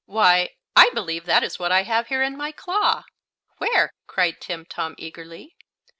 Why, I believe that is what I have here in my claw!" "Where?" cried Timtom, eagerly.